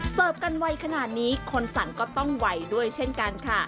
กันไวขนาดนี้คนสั่งก็ต้องไวด้วยเช่นกันค่ะ